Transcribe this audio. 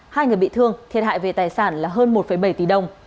hai người bị thương thiệt hại về tài sản là hơn một bảy tỷ đồng